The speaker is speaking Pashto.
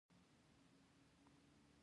د کیمیا په ټولګي کې مکالمه